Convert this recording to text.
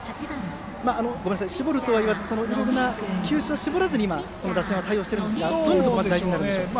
絞るとはいわずいろいろな球種は絞らずにこの打線は対応しているんですがどういうことを考えたらいいんでしょうか？